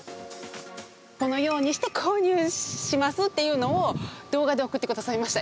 このようにして購入しますというのを動画で送ってくださいました。